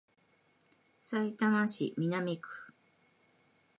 さいたま市南区